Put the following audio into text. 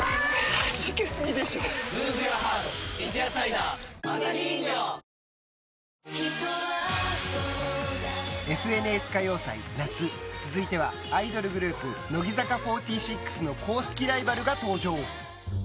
はじけすぎでしょ『三ツ矢サイダー』「ＦＮＳ歌謡祭夏」続いてはアイドルグループ乃木坂４６の公式ライバルが登場。